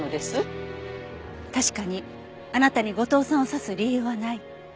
確かにあなたに後藤さんを刺す理由はない。